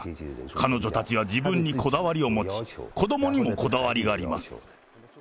彼女たちは自分にこだわりを持ち、子どもにもこだわりがあります。